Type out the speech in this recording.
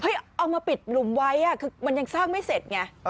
เอามาปิดหลุมไว้คือมันยังสร้างไม่เสร็จไง